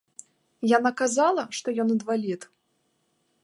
Яна казала, што ён інвалід?